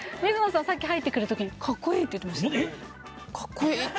さっき入ってくる時に「かっこいい」って言ってましたえっ？